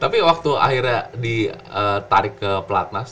tapi waktu akhirnya ditarik ke pelatnas